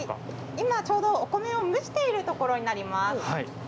今ちょうどお米を蒸しているところになります。